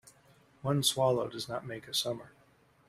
One swallow does not make a summer.